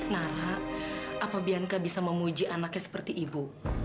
nara apabiankah bisa memuji anaknya seperti ibu